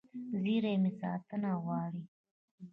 زېرمې ساتنه غواړي.